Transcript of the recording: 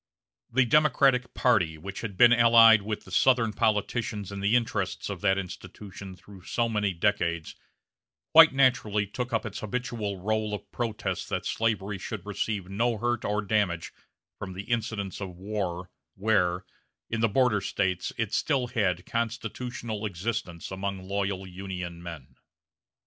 The Democratic party, which had been allied with the Southern politicians in the interests of that institution through so many decades, quite naturally took up its habitual rôle of protest that slavery should receive no hurt or damage from the incidents of war, where, in the border States, it still had constitutional existence among loyal Union men.